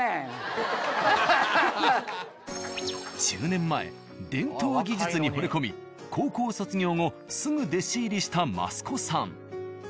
１０年前伝統技術にほれ込み高校卒業後すぐ弟子入りした益子さん。